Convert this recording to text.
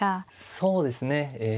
そうですねえ